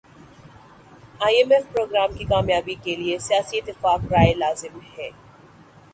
I M F program کی کامیابی کیلئے سیاسی اتفاق رائے لازم ہے